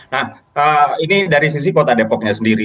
nah ini dari sisi kota depoknya sendiri